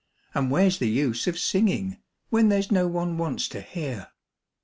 And where's the use of singing, when there's no one wants to hear?